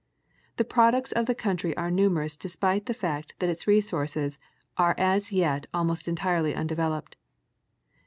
The products of the country are numerous despite the fact that its resources are as yet almost entirely undeveloped.